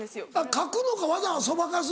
描くのかわざわざそばかす。